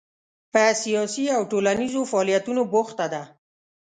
په سیاسي او ټولنیزو فعالیتونو بوخته ده.